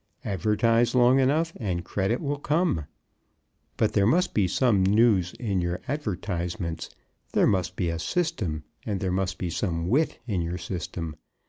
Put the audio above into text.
Advertise long enough, and credit will come. But there must be some nous in your advertisements; there must be a system, and there must be some wit in your system.